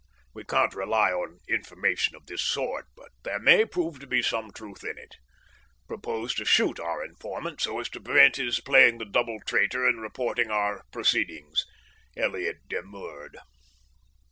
We can't rely on information of this sort, but there may prove to be some truth in it. Proposed to shoot our informant, so as to prevent his playing the double traitor and reporting our proceedings. Elliott demurred.